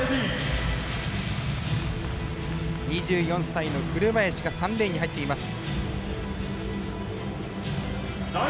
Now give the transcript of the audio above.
２４歳の古林が３レーンに入っています。